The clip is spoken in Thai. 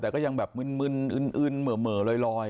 แต่ก็ยังแบบมึนอึ้นเหม่อลอย